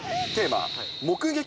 テーマ、目撃！